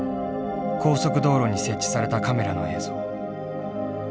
高速道路に設置されたカメラの映像。